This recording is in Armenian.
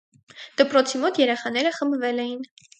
Դպրոցի մոտ երեխաները խմբվել էին: